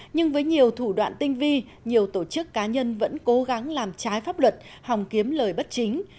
nhưng với nhiều thủ đoạn tinh vi nhiều tổ chức cá nhân vẫn cố gắng làm trái pháp luật hòng kiếm lời bất chính